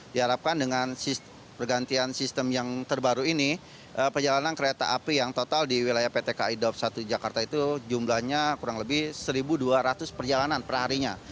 diharapkan dengan pergantian sistem yang terbaru ini perjalanan kereta api yang total di wilayah pt kai daup satu jakarta itu jumlahnya kurang lebih satu dua ratus perjalanan perharinya